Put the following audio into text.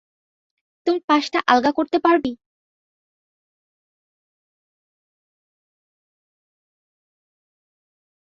তোর পাশটা আলগা করতে পারবি?